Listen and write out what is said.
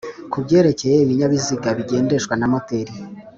Ku byerekeye ibinyabiziga bigendeshwa na moteri